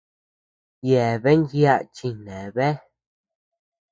Yeabean yaʼa chineabea.